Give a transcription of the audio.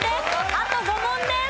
あと５問です。